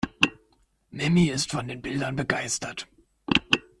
Mimi ist von den Bildern begeistert.